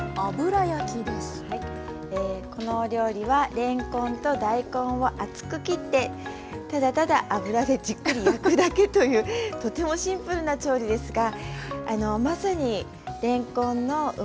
このお料理はれんこんと大根を厚く切ってただただ油でじっくり焼くだけというとてもシンプルな調理ですがあのまさにれんこんのうまみ